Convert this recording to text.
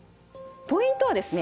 ポイントはですね